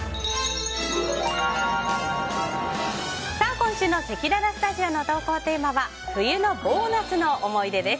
今週のせきららスタジオの投稿テーマは冬のボーナスの思い出です。